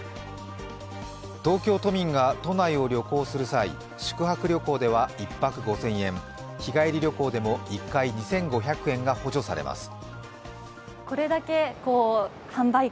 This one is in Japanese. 東京都民が都内を旅行する際宿泊旅行では１泊５０００円、日帰り旅行でも１回２５００円が補助されます。